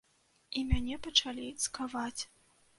І мяне пачалі цкаваць.